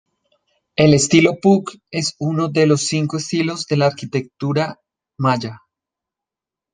El estilo "Puuc" es uno de los cinco estilos de la arquitectura maya.